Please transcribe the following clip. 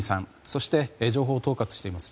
そして情報等を統括しています